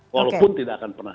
walaupun tidak akan pernah